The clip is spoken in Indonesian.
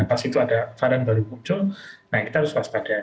pas itu ada varian baru muncul kita harus waspadah